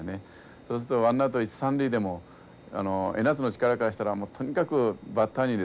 そうするとワンアウト一三塁でも江夏の力からしたらもうとにかくバッターにですね